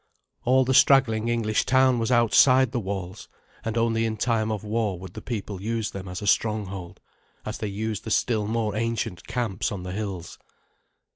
All the straggling English town was outside the walls, and only in time of war would the people use them as a stronghold, as they used the still more ancient camps on the hills.